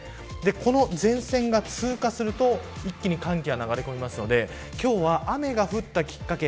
この前線が通過すると一気に寒気が流れ込んできますので今日は雨が降ったきっかけ